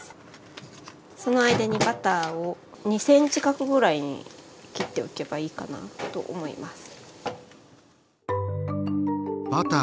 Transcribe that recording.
その間にバターを２ｃｍ角ぐらいに切っておけばいいかなと思います。